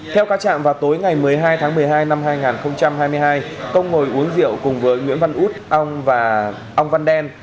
theo cá trạm vào tối ngày một mươi hai tháng một mươi hai năm hai nghìn hai mươi hai công ngồi uống rượu cùng với nguyễn văn út ông văn đen